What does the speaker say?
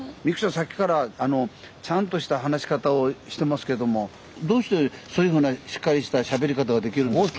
さっきからちゃんとした話し方をしてますけどもどうしてそういうふうなしっかりしたしゃべり方ができるんですか？